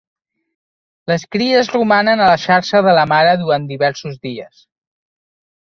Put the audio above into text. Les cries romanen a la xarxa de la mare durant diversos dies.